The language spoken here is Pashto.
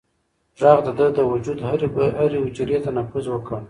غږ د ده د وجود هرې حجرې ته نفوذ وکړ.